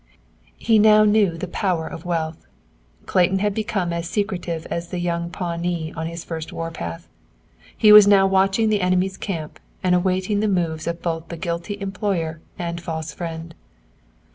He now knew the power of wealth. Clayton had become as secretive as the young Pawnee on his first warpath. He was now watching the enemy's camp and awaiting the moves of both the guilty employer and false friend.